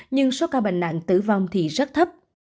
nhưng số ca bệnh nặng tử vong thì rất thấp